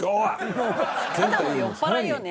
「もうただの酔っ払いよね」